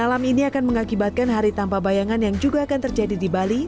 malam ini akan mengakibatkan hari tanpa bayangan yang juga akan terjadi di bali